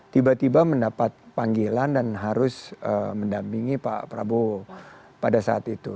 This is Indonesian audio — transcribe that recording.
tiba tiba mendapat panggilan dan harus mendampingi pak prabowo pada saat itu